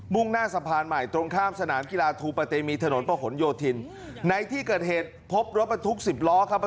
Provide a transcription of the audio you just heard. ่งหน้าสะพานใหม่ตรงข้ามสนามกีฬาทูปะเตมีถนนประหลโยธินในที่เกิดเหตุพบรถบรรทุกสิบล้อครับ